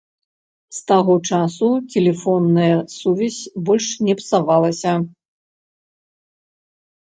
З таго часу тэлефонная сувязь больш не псавалася.